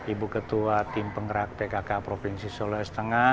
ibu ketua tim penggerak tkk provinsi solo s t